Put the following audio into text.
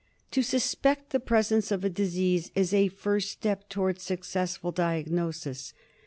To suspect the presence of a disease is a first step to wards successful diagnosis.